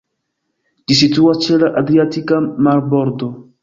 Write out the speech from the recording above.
Ĝi situas ĉe la Adriatika marbordo.